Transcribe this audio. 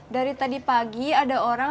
dari tadi pagi ada orang